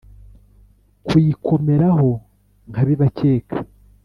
Kuyikomeraho nkabibakeka